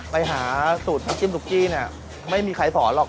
ไปหาสูตรพักจิ้มซุกี้เนี่ยไม่มีไขสอนหรอก